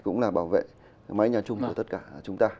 cũng là bảo vệ mái nhà chung của tất cả chúng ta